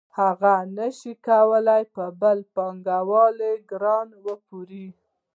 هغه نشوای کولی په بل پانګوال ګران وپلوري